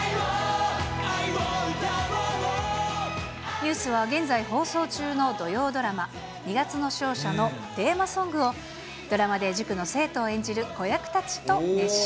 ＮＥＷＳは現在放送中の土曜ドラマ、二月の勝者のテーマソングを、ドラマで塾の生徒を演じる子役たちと熱唱。